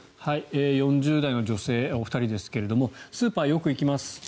４０代の女性、お二人ですがスーパーによく行きます。